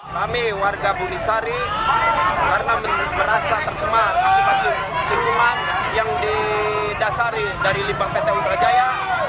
kami warga bunisari karena merasa tercuma akibat keruman yang didasari dari limbah pt ultra jaya